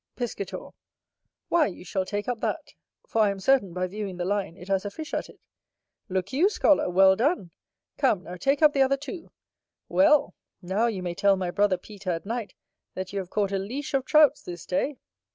Piscator. Why, you shall take up that; for I am certain, by viewing the line, it has a fish at it. Look you, scholar! well done! Come, now take up the other too: well! now you may tell my brother Peter, at night, that you have caught a leash of Trouts this day.